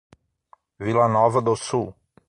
Vila Nova do Sul